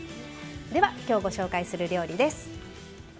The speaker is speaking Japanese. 今日、ご紹介する料理です。